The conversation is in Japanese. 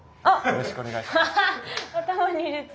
よろしくお願いします。